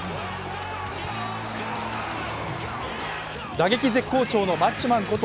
打撃絶好調のマッチョマンこと